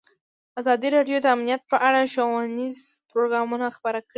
ازادي راډیو د امنیت په اړه ښوونیز پروګرامونه خپاره کړي.